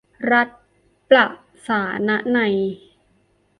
รัฐประศาสนนัย